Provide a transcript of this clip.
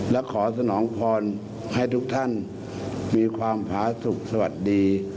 และขอสนองพรให้ทุกท่านมีความผาสุขสวัสดี